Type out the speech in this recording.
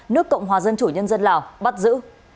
nước cộng hòa dân chủ nhân dân lào bắt giữ